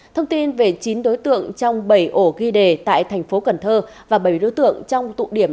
thông tin về chín đối tượng trong bảy ổ ghi đề tại thành phố cần thơ và bảy đối tượng trong tụ điểm